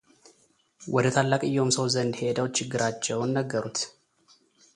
ወደ ታላቅየውም ሰው ዘንድ ሄደው ችግራቸውን ነገሩት፡፡